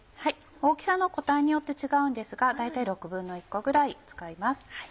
大きさの個体によって違うんですが大体１／６個ぐらい使います。